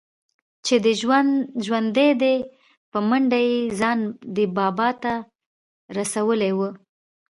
چې دى ژوندى دى په منډه يې ځان ده بابا ته رسولى و.